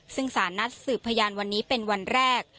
ซึ่งสารนัดสืบพยานวันนี้เป็นวันแรก